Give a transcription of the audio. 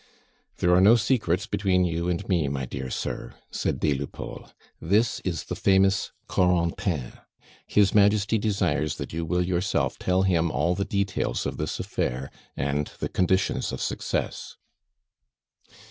"There are no secrets between you and me, my dear sir," said des Lupeaulx. "This is the famous Corentin. His Majesty desires that you will yourself tell him all the details of this affair and the conditions of success."